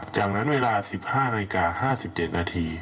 จากนั้นเวลา๑๕นาฬิกา๕๗นาที